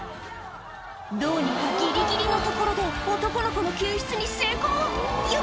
どうにかギリギリのところで男の子の救出に成功よかった！